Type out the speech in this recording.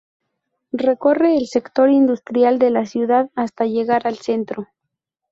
Recorre el sector Industrial de la ciudad hasta llegar al centro.